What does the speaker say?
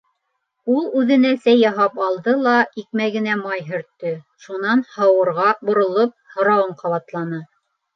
Ул үҙенә сәй яһап алды ла икмәгенә май һөрттө, шунан Һыуырға боролоп, һорауын ҡабатланы: